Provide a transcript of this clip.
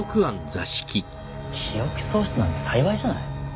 記憶喪失なんて幸いじゃない。